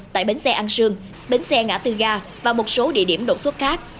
tại bến xe an sương bến xe ngã tư ga và một số địa điểm đột xuất khác